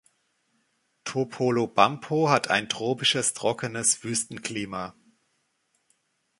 Topolobampo hat ein tropisches, trockenes Wüstenklima.